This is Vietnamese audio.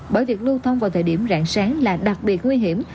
bởi việc lưu thông vào thời điểm rạng sáng là đặc biệt nguy hiểm